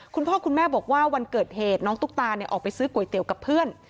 คุณพ่อคุณแม่บอกว่าวันเกิดเหตุน้องตุ๊กตาออกไปซื้อก๋วยเตี๋ยวกับเพื่อน